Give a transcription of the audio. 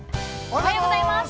◆おはようございます。